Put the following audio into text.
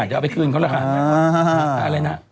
จะเอาไปขึ้นเขานะคะ